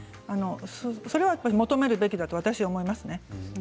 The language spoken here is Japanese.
それはやっぱり求めるべきだと私は思います。